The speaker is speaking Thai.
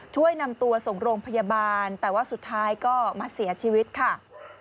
ช่วยนำตัวส่งโรงพยาบาลแต่ว่าสุดท้ายก็มาเสียชีวิตค่ะ